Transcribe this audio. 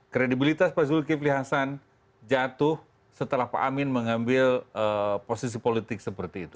kredibilitas pak zulkifli hasan jatuh setelah pak amin mengambil posisi politik seperti itu